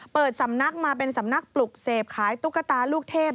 เปิดสำนักมาเป็นสำนักปลุกเสพขายตุ๊กตาลูกเทพ